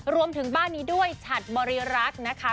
รวมถึงบ้านนี้ด้วยฉัดบริรักษ์นะคะ